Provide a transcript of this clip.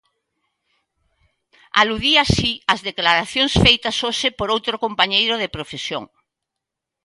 Aludía así ás declaracións feitas hoxe por outro compañeiro de profesión.